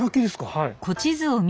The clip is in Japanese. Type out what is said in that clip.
はい。